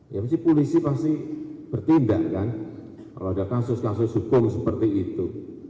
ya pasti polisi pasti bertindak kan kalau ada kasus kasus hukum seperti itu